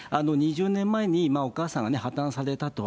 ２０年前にお母さんが破綻されたと。